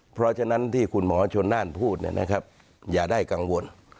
เพราะฉะนั้นที่คุณหมอชนน่านพูดอย่าได้กังวล